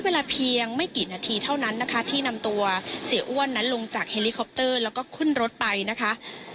เวลาเพียงไม่กี่นาทีเท่านั้นนะคะที่นำตัวเสียอ้วนนั้นลงจากเฮลิคอปเตอร์แล้วก็ขึ้นรถไปนะคะ